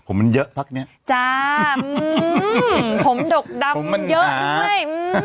อืมผมดกดำเยอะด้วย